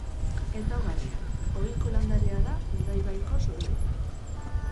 Ezaugarriak: Ohiko landarea da Urdaibaiko soroetan.